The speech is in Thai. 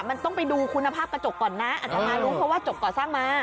มันต้องไปดูคุณภาพกระจกก่อนนะอาจจะมารู้เพราะว่าจบก่อสร้างมา